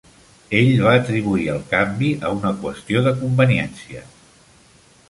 Ell va atribuir el canvi a una qüestió de conveniència.